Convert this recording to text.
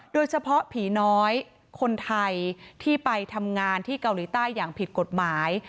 โดยเฉพาะผีน้อยคนไทยที่ไปทำงานที่เกาหลีใต้อย่างผิดกฎหมาย